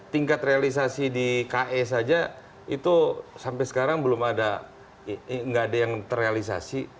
tingkat realisasi di kae saja itu sampai sekarang belum ada nggak ada yang terrealisasi